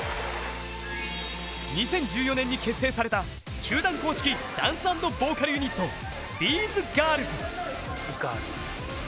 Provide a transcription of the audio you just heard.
２０１４年に結成された球団公式ダンス＆ボーカルユニットＢｓＧｉｒｌｓ。